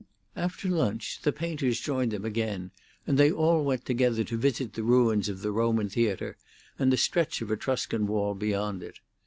After lunch the painters joined them again, and they all went together to visit the ruins of the Roman theatre and the stretch of Etruscan wall beyond it.